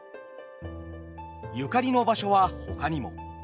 ゆかりの場所はほかにも。